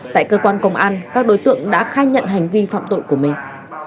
tại cơ quan công an các đối tượng đã khai nhận hành vi phạm tội của mình